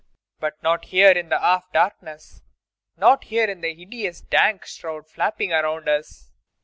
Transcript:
But not here in the half darkness! Not here with this hideous dank shroud flapping around us IRENE.